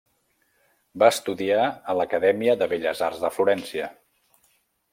Va estudiar en l'Acadèmia de Belles arts de Florència.